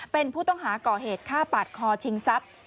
เป็นผู้ต้องหาก่อเหตุฆ่าปาดคอชิงทรัพย์